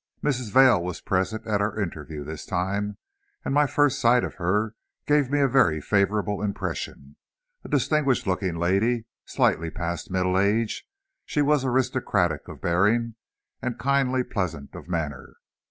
Mrs. Vail was present at our interview this time, and my first sight of her gave me a very favorable impression. A distinguished looking lady, slightly past middle age, she was aristocratic of bearing and kindly pleasant of manner.